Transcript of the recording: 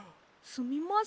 すみません。